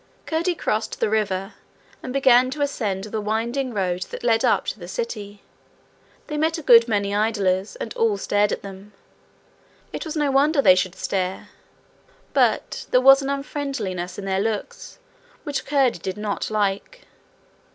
Curdie crossed the river, and began to ascend the winding road that led up to the city. They met a good many idlers, and all stared at them. It was no wonder they should stare, but there was an unfriendliness in their looks which Curdie did not like.